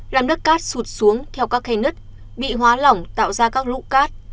làm đất cát sụt xuống theo các khay nứt bị hóa lỏng tạo ra các lũ cát